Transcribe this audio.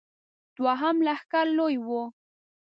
دوهم لښکر لوی و.